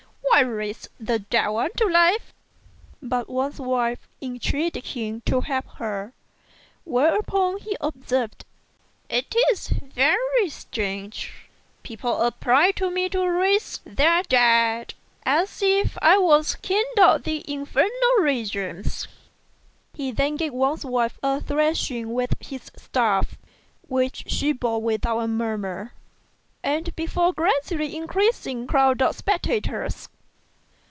Why raise the dead one to life?" But Wang's wife entreated him to help her; whereupon he observed, "It's very strange : people apply to me to raise their dead as if I was king of the infernal regions." He then gave Wang's wife a thrashing with his staff, which she bore without a murmur, and before FROM A CHINESE STUDIO. 83 a gradually increasing crowd of spectators.